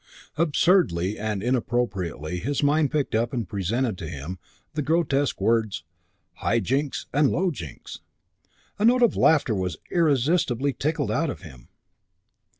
Absurdly and inappropriately his mind picked up and presented to him the grotesque words, "High Jinks and Low Jinks." A note of laughter was irresistibly tickled out of him.